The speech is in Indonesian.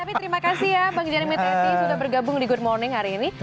tapi terima kasih ya bang jerni meteti sudah bergabung di good morning hari ini